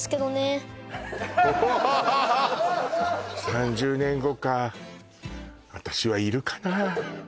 ３０年後か私はいるかな